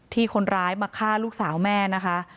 ที่คนร้ายมาฆ่าลูกสาวแม่นะคะ